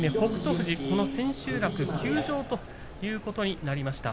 富士千秋楽の休場ということになりました。